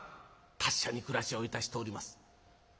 「達者に暮らしをいたしております」。